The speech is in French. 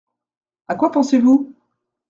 À quoi pensez-vous ?